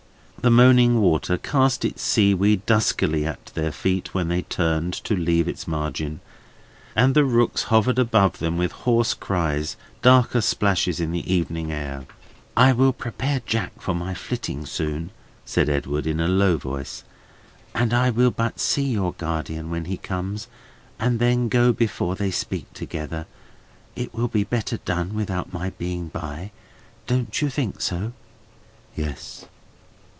The moaning water cast its seaweed duskily at their feet, when they turned to leave its margin; and the rooks hovered above them with hoarse cries, darker splashes in the darkening air. "I will prepare Jack for my flitting soon," said Edwin, in a low voice, "and I will but see your guardian when he comes, and then go before they speak together. It will be better done without my being by. Don't you think so?" "Yes."